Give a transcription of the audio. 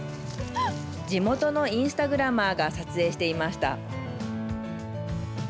地元のインスタグラマーが撮影していました。